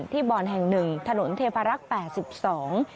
ที่บ่อนแห่ง๑ถนนเทพลักษณ์๘๒